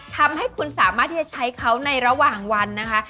ทำให้คุณสามารถที่จะใช้เขาในระหว่างวันนะคะ